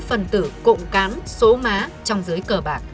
phần tử cộng cán số má trong giới cờ bạc